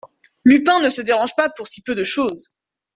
Lupin ne se dérange pas pour si peu de chose.